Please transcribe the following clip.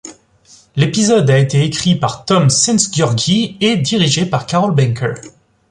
L'épisode a été écrit par Tom Szentgyorgyi et dirigé par Carol Banker.